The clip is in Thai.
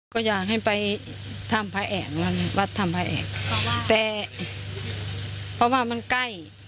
ก็อยากให้ไปท่ำภาแอร์วัดทำภาแอร์แต่พอว่ามันใกล้